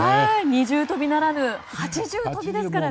２重跳びならぬ８重跳びですからね。